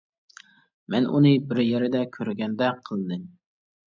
مەن ئۇنى بىر يەردە كۆرگەندەك قىلدىم.